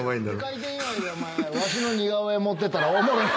開店祝いでお前わしの似顔絵持ってったらおもろい。